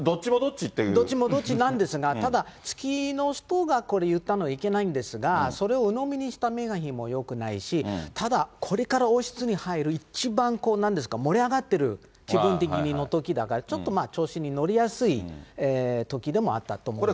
どっちもどっちなんですが、ただ、お付きの人がこれ、言ったのはいけないんですが、それをうのみにしたメーガン妃もよくないし、ただ、これから王室に入る一番なんですか、盛り上がってる、気分的にのときだから、ちょっと調子に乗りやすいときでもあったと思います。